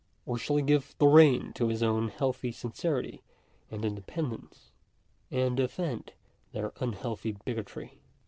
or shall he give tho rein to his own healthy sinoerity and independence, and offend their unhealthy bigotry